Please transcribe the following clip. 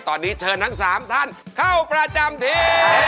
ตอนนี้เชิญทั้ง๓ท่านเข้าประจำที่